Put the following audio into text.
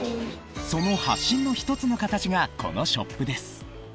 その発信の一つの形がこのショップです